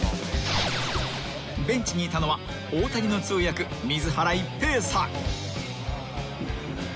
［ベンチにいたのは大谷の通訳水原一平さん］